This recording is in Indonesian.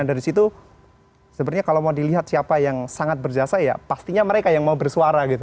dari situ sebenarnya kalau mau dilihat siapa yang sangat berjasa ya pastinya mereka yang mau bersuara gitu